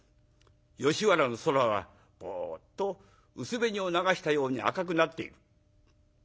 吉原の空はぼっと薄紅を流したように赤くなっている。